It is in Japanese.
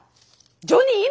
ジョニー犬